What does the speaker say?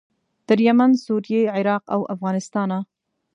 تر یمن، سوریې، عراق او افغانستانه.